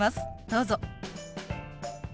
どうぞ。